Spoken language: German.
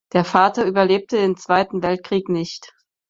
Der Vater überlebte den Zweiten Weltkrieg nicht.